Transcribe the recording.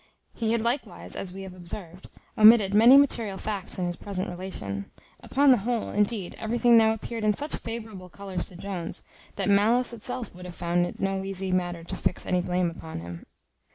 He had likewise, as we have observed, omitted many material facts in his present relation. Upon the whole, indeed, everything now appeared in such favourable colours to Jones, that malice itself would have found it no easy matter to fix any blame upon him.